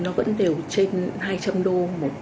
nó vẫn đều trên hai trăm linh đô